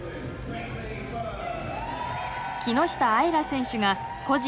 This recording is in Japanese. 木下あいら選手が個人